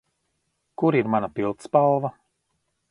Kur ir mana pildspalva?